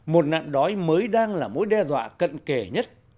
một nạn đói mới đang là mối đe dọa cận kề nhất